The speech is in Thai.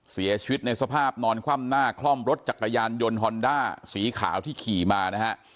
เสียชีวิตในสภาพนอนคว่ำหน้าคล่อมรถจักรยานยนต์ฮอนด้าสีขาวที่ขี่มานะฮะ